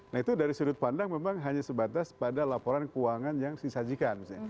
nah itu dari sudut pandang memang hanya sebatas pada laporan keuangan yang disajikan misalnya